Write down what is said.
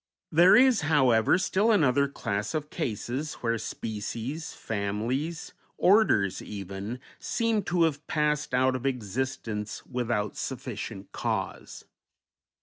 There is, however, still another class of cases where species, families, orders, even, seem to have passed out of existence without sufficient cause.